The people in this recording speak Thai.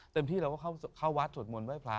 ที่เราก็เข้าวัดสวดมนต์ไห้พระ